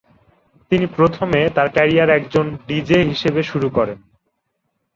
তিনি প্রথমে তার ক্যারিয়ার একজন ভিজে হিসেবে শুরু করেন।